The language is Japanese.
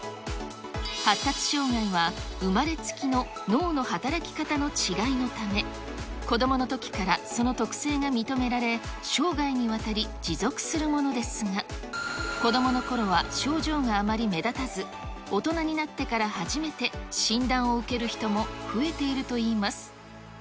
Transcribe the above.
発達障害は生まれつきの脳の働き方の違いのため、子どものときからその特性が認められ、生涯にわたり持続するものですが、子どものころは症状があまり目立たず、大人になってから初めて診断を受ける人も増えているといいます。